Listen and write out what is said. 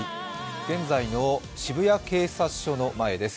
現在の渋谷警察署の前です。